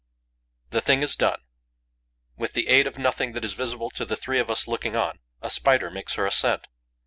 The thing is done: with the aid of nothing that is visible to the three of us looking on, a Spider makes her ascent.